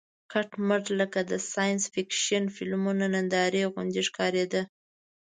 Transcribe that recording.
کټ مټ لکه د ساینس فېکشن فلمونو نندارې غوندې ښکارېده.